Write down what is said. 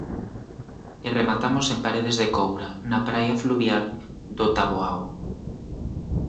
E rematamos en Paredes de Coura na praia fluvial do Taboao.